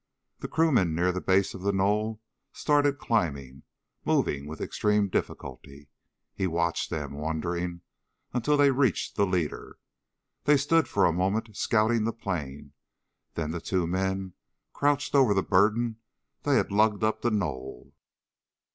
The crewmen near the base of the knoll started climbing, moving with extreme difficulty. He watched them, wondering, until they reached the leader. They stood for a moment scouting the plain, then two of the men crouched over the burden they had lugged up the knoll.